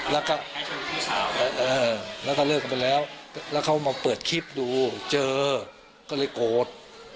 แล้วก็เลิกกันไปแล้วแล้วเขามาเปิดคลิปดูเจอก็เลยโกรธ